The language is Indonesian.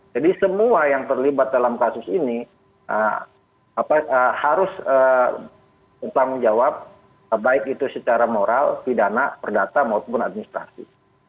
jadi semua yang terlibat dalam kasus ini harus bertanggung jawab baik itu secara moral pidana perdata maupun administrasi